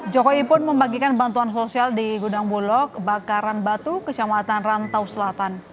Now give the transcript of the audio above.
jokowi pun membagikan bantuan sosial di gudang bulog bakaran batu kecamatan rantau selatan